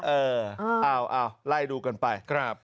เอาไล่ดูกันไป